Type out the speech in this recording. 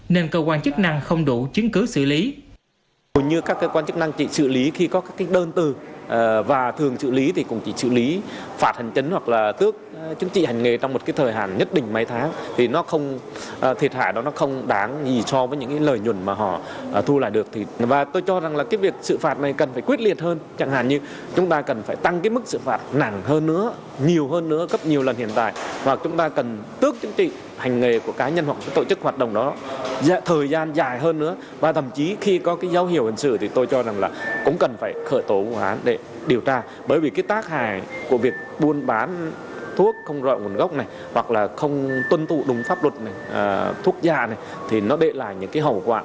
nên cơ quan chức năng không đủ chứng cứ xử lý